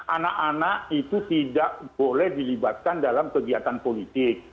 anak anak itu tidak boleh dilibatkan dalam kegiatan politik